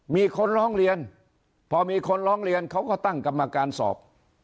มีคนร้องเรียนพอมีคนร้องเรียนเขาก็ตั้งกรรมการสอบ